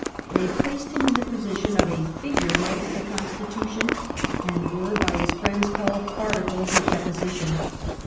They placed him in the position of a figure head to the constitution, and were by his friends called " Articles of Deposition